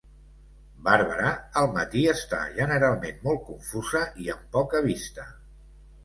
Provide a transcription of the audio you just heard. Barbara, al matí, està generalment molt confusa i amb poca vista.